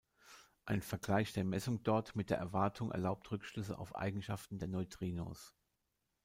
Ein Vergleich der Messung dort mit der Erwartung erlaubt Rückschlüsse auf Eigenschaften der Neutrinos.